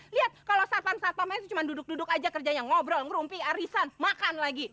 lihat kalau satpan satpamanya itu cuma duduk duduk aja kerjanya ngobrol ngerumpik arisan makan lagi